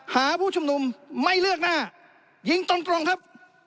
ผู้ชุมนุมไม่เลือกหน้ายิงตรงครับ